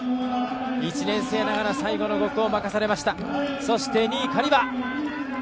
１年生ながら最後の５区を任されました。